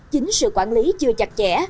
chính sự quản lý chưa chặt chẽ